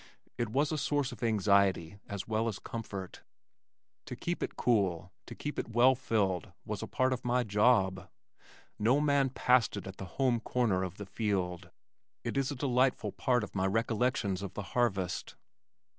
It was a source of anxiety as well as comfort. To keep it cool, to keep it well filled was a part of my job. No man passed it at the "home corner" of the field. It is a delightful part of my recollections of the harvest.